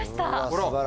あら！